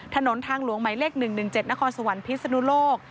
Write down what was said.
ถนนทางหลวงหมายเลข๑๑๗นครสวรรค์พิศนุโลก